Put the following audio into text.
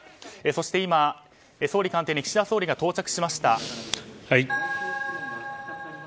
そして今、総理官邸に岸田総理が到着しました。